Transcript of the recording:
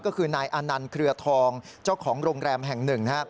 ก็คือนายอานันต์เครือทองเจ้าของโรงแรมแห่งหนึ่ง